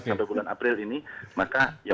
untuk bulan april ini maka